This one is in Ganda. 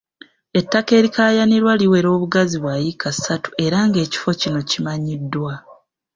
Ettaka erikaayanirwa liwera obugazi bwa yiika ssatu era ng’ekifo kino kimanyiddwa.